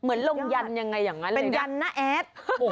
เหมือนลงยันต์ยังไงอย่างนั้นเลยนะเป็นยันต์น้าแอด